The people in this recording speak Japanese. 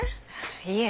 いえ。